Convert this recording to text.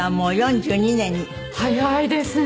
早いですね。